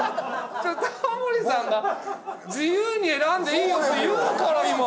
タモリさんが自由に選んでいいって言うから今。